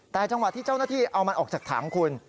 แต่จังหวะที่เจ้าหน้าที่เอามันออกจากถังคุณ